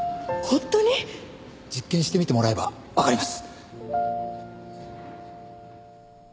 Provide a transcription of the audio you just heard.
実験してみてもらえばわかります。